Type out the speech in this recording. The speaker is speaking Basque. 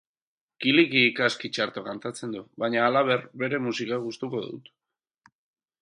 Kilikik aski txarto kantatzen du, baina halaber bere musika gustoko dut